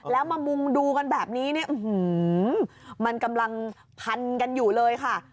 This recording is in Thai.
แล้วมามุงดูกันแบบนี้เนี่ยมันกำลังพันกันอยู่เลยค่ะ